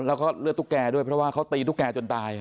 แล้วก็เลือดตุ๊กแกด้วยเพราะว่าเขาตีตุ๊กแกจนตาย